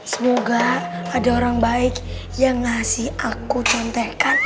semoga ada orang baik yang ngasih aku contohkan